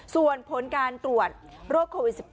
ส่วนผลการตรวจโรคโควิด๑๙